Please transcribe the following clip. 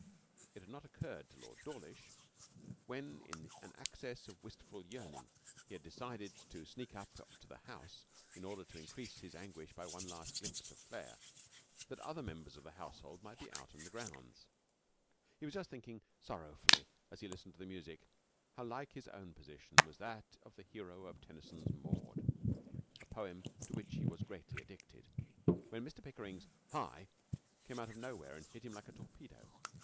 It had not occurred to Lord Dawlish, when in an access of wistful yearning he had decided to sneak up to the house in order to increase his anguish by one last glimpse of Claire, that other members of the household might be out in the grounds. He was just thinking sorrowfully, as he listened to the music, how like his own position was to that of the hero of Tennyson's Maud a poem to which he was greatly addicted, when Mr Pickering's 'Hi!' came out of nowhere and hit him like a torpedo.